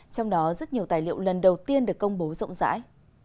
trong đó rất nhiều tài liệu lần đầu tiên được công bố rộng rãi